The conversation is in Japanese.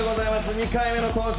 ２回目の登場